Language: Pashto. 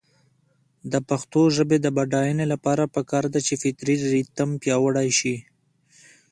د پښتو ژبې د بډاینې لپاره پکار ده چې فطري ریتم پیاوړی شي.